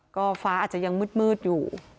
ก็ฟ้าอาจจะยังมืดอยู่